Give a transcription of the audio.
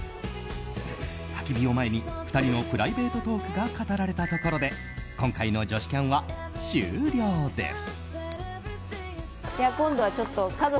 たき火を前に２人のプライベートトークが語られたところで今回の女子キャン！は終了です。